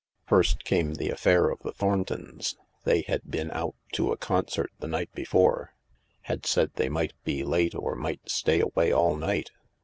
First came the affair of the Thorntons. They had been out to a concert the night before — had said they might be late or might stay away all night.